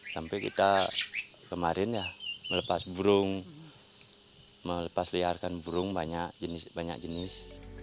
sampai kita kemarin ya melepas burung melepas liarkan burung banyak jenis